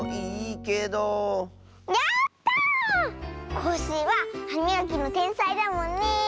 コッシーははみがきのてんさいだもんねえ。